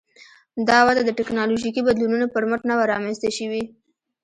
دا وده د ټکنالوژیکي بدلونونو پر مټ نه وه رامنځته شوې